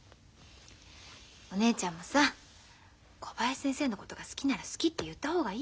お姉ちゃんもさ小林先生のことが好きなら好きって言った方がいいよ。